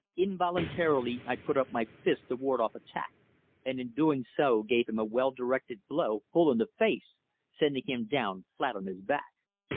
Involuntarily, I put up my fist to ward off attack, and in doing so gave him a well directed blow full in the face, sending him down flat on his back.